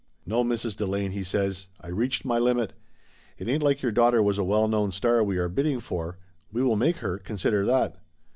"No, Mrs. Delane," he says, "I reached my limit. It ain't like your daughter was a well known star we are bidding for. We will make her, consider that!